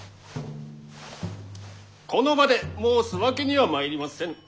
この場で申すわけにはまいりませぬ。